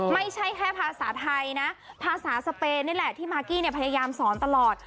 ไม่ใช่แค่ภาษาไทยนะภาษาสเปนนี่แหละที่มากกี้เนี่ยพยายามสอนตลอด